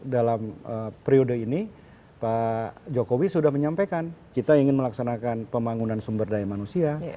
dalam periode ini pak jokowi sudah menyampaikan kita ingin melaksanakan pembangunan sumber daya manusia